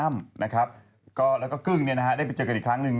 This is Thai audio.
อ้ำและก็กึ้งได้ไปเจอกันอีกครั้งหนึ่ง